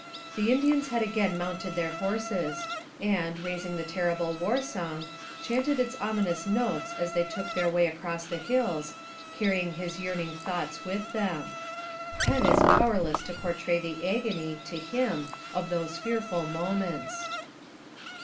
The Indians had again mounted their horses, and, raising the terrible war song, chanted its ominous notes as they took their way across the hills, carrying his yearning thoughts with them. Pen is powerless to portray the agony, to him, of those fearful moments.